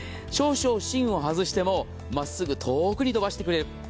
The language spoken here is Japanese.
少々芯を外しても真っすぐ遠くに飛ばしてくれる。